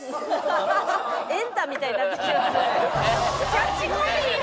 キャッチコピーか！